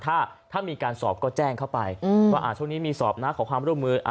ถ้ามีการสอบก็แจ้งเข้าไปว่าช่วงนี้มีสอบนะขอความร่วมมือ